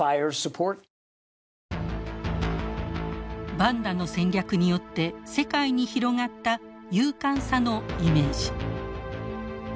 バンダの戦略によって世界に広がった勇敢さのイメージ。